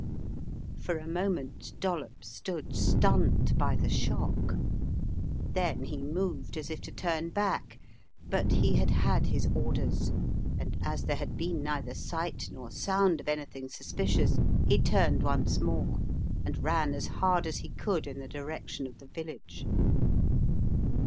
For a moment Dollops stood stunned by the shock. Then he moved as if to turn back, but he had had his orders and as there had been neither sight nor sound of anything suspicious he turned once more, and ran as hard as he could in the direction of the village.